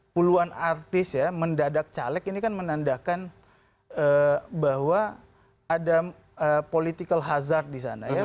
puluhan artis ya mendadak caleg ini kan menandakan bahwa ada political hazard di sana ya